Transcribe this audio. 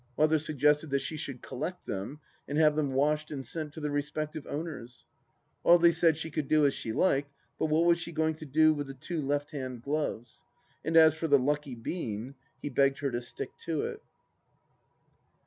Mother suggested that she should collect them and have them washed and sent to the re spective owners. Audely said she could do as she liked, but what was she going to do with the two left hand gloves ? and as for the lucky bean he begged her to stick to it.